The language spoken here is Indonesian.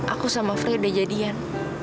aku sama free udah jadian